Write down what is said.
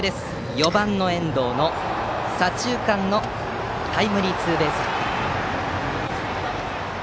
４番、遠藤の左中間へのタイムリーツーベースヒット。